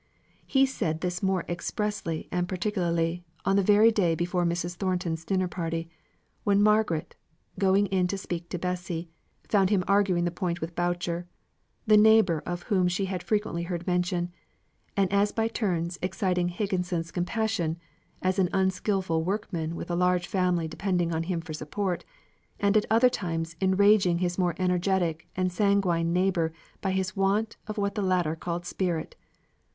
He said this more expressly and particularly, on the very day before Mrs. Thornton's dinner party. When Margaret, going in to speak to Bessy, found him arguing the point with Boucher, the neighbour of whom she had frequently heard mention, as by turns exciting Higgins's compassion, as an unskilful workman with a large family depending upon him for support, and at other times enraging his more energetic and sanguine neighbour by his want of what the latter called spirit.